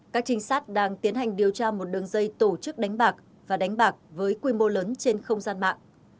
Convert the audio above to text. các trinh sát đang tiến hành điều tra một đường dây tổ chức đánh bạc và đánh bạc với quy mô lớn trên không gian mạng